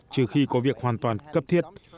trừ khi có việc hoàn toàn cấp thiết